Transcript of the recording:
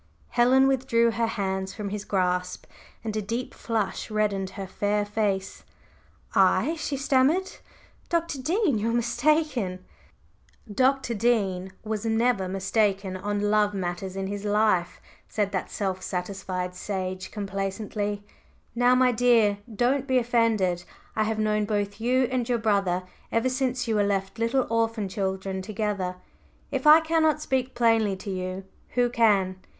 Helen withdrew her hands from his grasp and a deep flush reddened her fair face. "I!" she stammered "Dr. Dean, you are mistaken. …" "Dr. Dean was never mistaken on love matters in his life," said that self satisfied sage complacently. "Now, my dear, don't be offended. I have known both you and your brother ever since you were left little orphan children together; if I cannot speak plainly to you, who can?